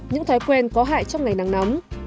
những thói quen có hại trong ngày nắng nóng